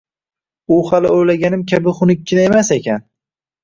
U hali o`ylaganim kabi xunukkina emas ekan